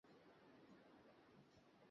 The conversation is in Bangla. তোমাকে তো মারতেই হবে।